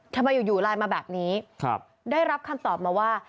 ทำไมอยู่อยู่ไลน์มาแบบนี้ได้รับคำตอบมาว่า